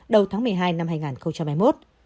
đầu tháng một mươi hai năm hai nghìn hai mươi một